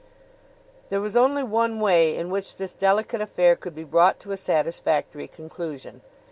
There was only one way in which this delicate affair could be brought to a satisfactory conclusion.